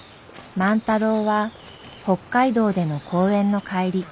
万太郎は北海道での講演の帰り